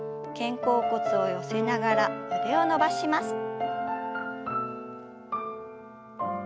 肩甲骨を寄せながら腕を伸ばします。